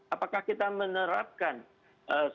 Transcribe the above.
apakah kita menerapkan sosialitas